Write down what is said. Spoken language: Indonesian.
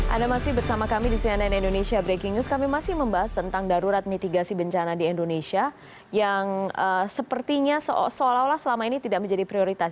anda masih bersama kami di cnn indonesia breaking news kami masih membahas tentang darurat mitigasi bencana di indonesia yang sepertinya seolah olah selama ini tidak menjadi prioritas